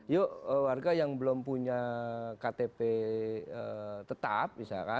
yuk warga yang belum punya ktp tetap